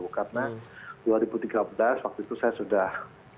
karena dua ribu tiga belas waktu itu saya sudah